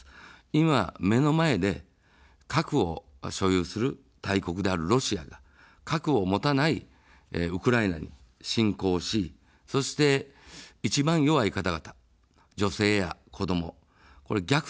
今、目の前で核を所有する大国であるロシアが核を持たないウクライナに侵攻をし、そして、一番弱い方々、女性や子ども、虐殺を受けているわけですよ。